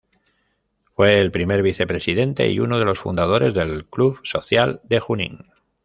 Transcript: Fue el primer vicepresidente y uno de los fundadores del Club Social de Junín.